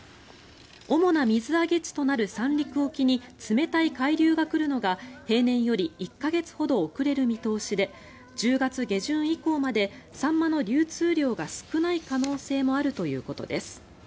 主な水揚げ地となる三陸沖に冷たい海流が来るのが平年より１か月ほど遅れる見通しで１０月下旬以降までサンマの流通量が少ない可能性もあるということです。